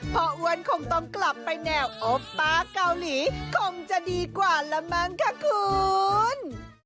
เพราะอ้วนคงต้องกลับไปแนวโอปป้าเกาหลีคงจะดีกว่าละมั้งค่ะคุณ